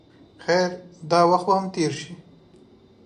خیر دا وخت به هم تېر شي.